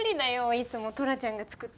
いつもトラちゃんが作ってくれてるし。